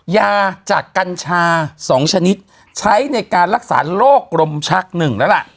ยาจากกัญชา๒ชนิดใช้ในการรักษาโรคลมชักหนึ่งแล้วล่ะ